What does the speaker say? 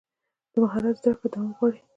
د مهارت زده کړه دوام غواړي.